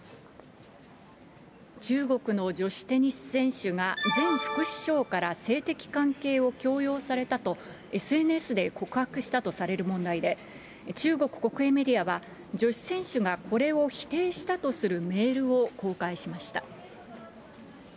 中国の女子テニス選手が前副首相から性的関係を強要されたと、ＳＮＳで告白したとされる問題で、中国国営メディアは、女子選手がこれを否定したとするメールを公開しました。